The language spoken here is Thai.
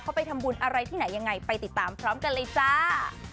เขาไปทำบุญอะไรที่ไหนยังไงไปติดตามพร้อมกันเลยจ้า